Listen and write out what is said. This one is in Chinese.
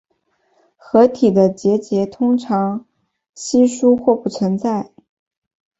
壳体的结节通常稀疏或不存在。